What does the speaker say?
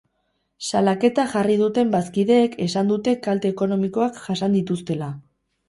Salaketa jarri duten bazkideek esan dute kalte ekonomikoak jasan dituztela.